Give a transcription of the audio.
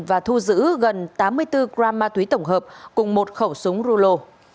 và thu giữ gần tám mươi bốn gram ma túy tổng hợp cùng một khẩu súng rô lô